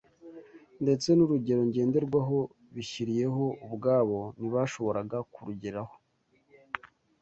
Ndetse n’urugero ngenderwaho bishyiriyeho ubwabo ntibashoboraga kurugeraho.